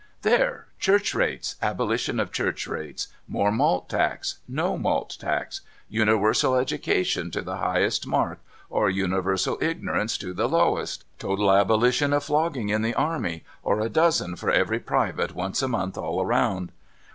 There ! Church rates, abolition of church rates, more malt tax, no malt tax, uniwersal education to the highest mark, or uniwersal ignorance to the lowest, total abolition of flogging in the army or a dozen for every private once a month all round.